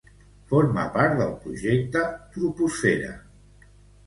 Forma part del projecte Troposfera.